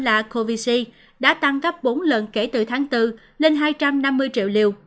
là covax đã tăng gấp bốn lần kể từ tháng bốn lên hai trăm năm mươi triệu liều